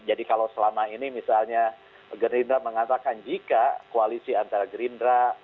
jadi kalau selama ini misalnya gerindra mengatakan jika koalisi antara gerindra